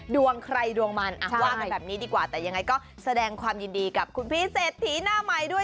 ดวงใครดวงมันว่ากันแบบนี้ดีกว่าแต่ยังไงก็แสดงความยินดีกับคุณพี่เศรษฐีหน้าใหม่ด้วย